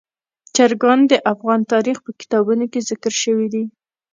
چرګان د افغان تاریخ په کتابونو کې ذکر شوي دي.